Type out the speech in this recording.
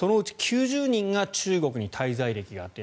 そのうち９０人が中国に滞在歴があった。